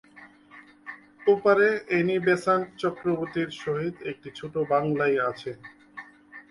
ওপারে Annie Besant চক্রবর্তীর সহিত একটি ছোট বাংলায় আছে।